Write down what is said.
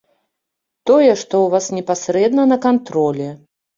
Тое што ў вас непасрэдна на кантролі.